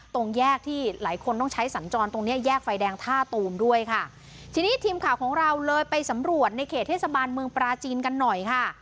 ตรงแยกที่หลายคนต้องใช้สัญจรตรงเนี้ยแยกไฟแดงท่าตูมด้วยค่ะทีนี้ทีมข่าวของเราเลยไปสำรวจในเขตเทศบาลเมืองปราจีนกันหน่อยค่ะ